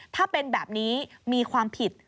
ถ้าเป็นแบบนี้มีความผิด